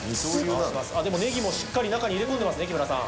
でもネギもしっかり中に入れ込んでますね木村さん。